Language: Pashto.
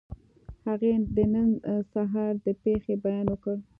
هغې د نن سهار د پېښې بیان وکړ